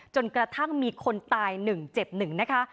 จนกระทั่งมีคนตายหนึ่งเจ็บหนึ่งนะคะ